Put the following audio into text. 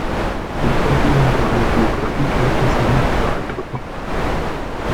Ich konnte ihn mit meinen Geografiekenntnissen nicht beeindrucken.